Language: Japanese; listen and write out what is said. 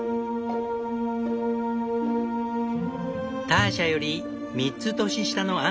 ターシャより３つ年下のアンさん。